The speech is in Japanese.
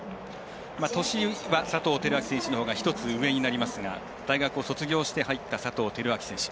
年は佐藤輝明選手のほうが１つ上になりますが大学を卒業して入った佐藤輝明選手。